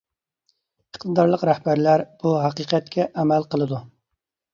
ئىقتىدارلىق رەھبەرلەر بۇ ھەقىقەتكە ئەمەل قىلىدۇ.